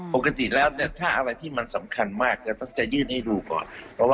ปกติแล้วถ้าอะไรที่มันสำคัญมากจะต้องจะยื่นให้ดูก่อน